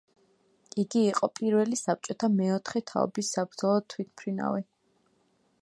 იგი იყო პირველი საბჭოთა მეოთხე თაობის საბრძოლო თვითმფრინავი.